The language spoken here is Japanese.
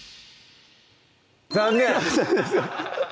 残念！